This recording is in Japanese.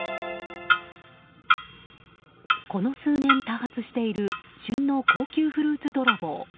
この数年多発している旬の高級フルーツ泥棒。